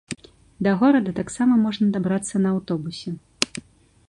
Да горада таксама можна дабрацца на аўтобусе.